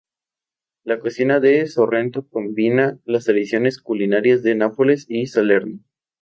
La cocina de Sorrento combina las tradicionales culinarias de Nápoles y Salerno.